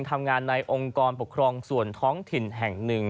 ทำงานในองค์กรปกครองส่วนท้องถิ่นแห่งหนึ่ง